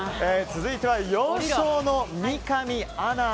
続いては４勝の三上アナ。